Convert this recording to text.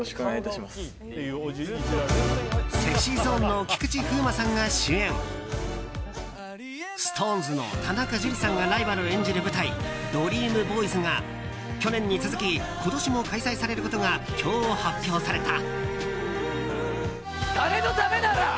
ＳｅｘｙＺｏｎｅの菊池風磨さんが主演ＳｉｘＴＯＮＥＳの田中樹さんがライバルを演じる舞台「ＤＲＥＡＭＢＯＹＳ」が去年に続き、今年も開催されることが今日発表された。